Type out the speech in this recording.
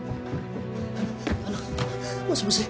あのもしもし。